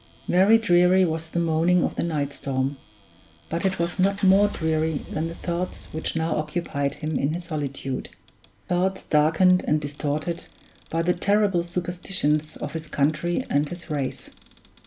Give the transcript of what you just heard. Very dreary was the moaning of the night storm; but it was not more dreary than the thoughts which now occupied him in his solitude thoughts darkened and distorted by the terrible superstitions of his country and his race.